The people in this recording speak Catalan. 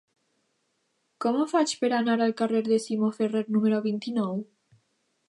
Com ho faig per anar al carrer de Simó Ferrer número vint-i-nou?